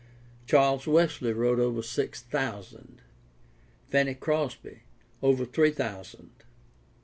Charles Wesley wrote over six thousand, Fanny Crosby over three thousand.